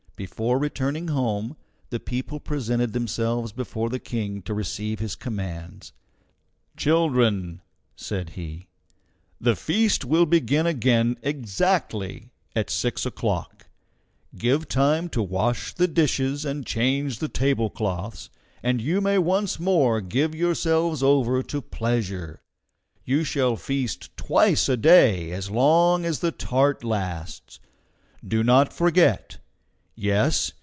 Before returning home, the people presented themselves before the King to receive his commands. "Children!" said he, "the feast will begin again exactly at six o'clock. Give time to wash the dishes and change the tablecloths, and you may once more give yourselves over to pleasure. You shall feast twice a day as long as the tart lasts. Do not forget. Yes!